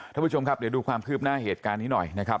ท่านผู้ชมครับเดี๋ยวดูความคืบหน้าเหตุการณ์นี้หน่อยนะครับ